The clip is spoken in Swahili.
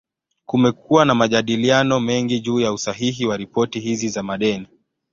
Kumekuwa na majadiliano mengi juu ya usahihi wa ripoti hizi za madeni.